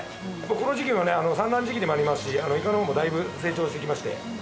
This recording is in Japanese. この時期は産卵時期でもありますしイカの方もだいぶ成長してきましてはい。